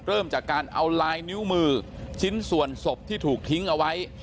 เริ่มจากการเอาลายนิ้วมือชิ้นส่วนศพที่ถูกทิ้งเอาไว้